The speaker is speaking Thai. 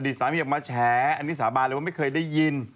สามีออกมาแฉอันนี้สาบานเลยว่าไม่เคยได้ยิน